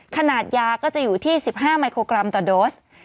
ขนาดยาก็จะอยู่ที่๑๕ไมโครกรัมต่อโดส